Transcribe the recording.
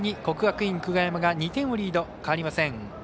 国学院久我山が２点をリード変わりません。